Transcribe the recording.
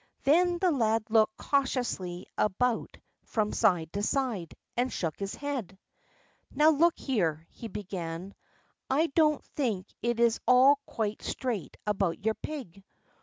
Then the lad looked cautiously about from side to side, and shook his head. "Now, look here," he began; "I don't think it's all quite straight about your pig.